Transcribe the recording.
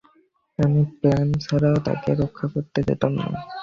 আমি প্ল্যান ছাড়া তাকে রক্ষা করতে যেতাম না।